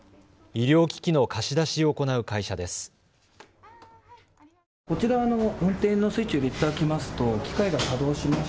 医療機器の貸し出しを行う会社です。